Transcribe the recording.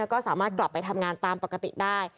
ก็สามารถกลับไปทำงานตามปกติได้